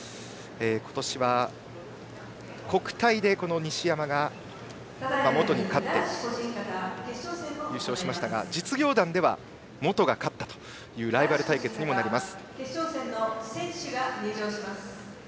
今年は、国体で西山が本に勝って優勝しましたが実業団では、本が勝ったというライバル対決にもなります。